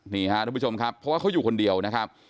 นี่ครับทุกผู้ชมครับเพราะว่าเขาอยู่คนเดียวนะครับ